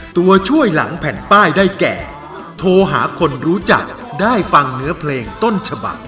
ตัวช่วยหลังแผ่นป้ายได้แก่โทรหาคนรู้จักได้ฟังเนื้อเพลงต้นฉบัก